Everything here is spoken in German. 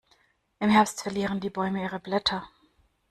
Im Herbst verlieren die Bäume ihre Blätter.